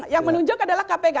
yang menunjuk adalah kpk